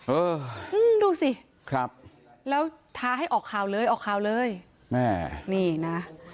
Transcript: โอ๊ยดูสิแล้วท้าให้ออกข่าวเลยแม่นี่น่ะ